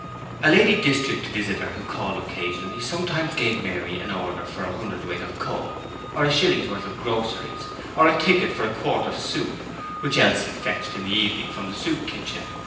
A lady district visitor who called occasionally sometimes gave Mary an order for a hundredweight of coal or a shillingsworth of groceries, or a ticket for a quart of soup, which Elsie fetched in the evening from the Soup Kitchen.